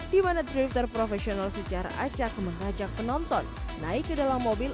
di mana drifter profesional secara acak mengajak penonton naik ke dalam mobil